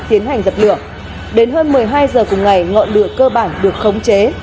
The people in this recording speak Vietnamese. tiến hành dập lửa đến hơn một mươi hai h cùng ngày ngọn lửa cơ bản được khống chế